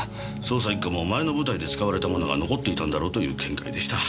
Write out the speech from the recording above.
捜査一課も前の舞台で使われたものが残っていたんだろうという見解でした。